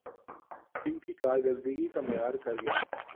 جن کی کارکردگی کا معیار گرگیا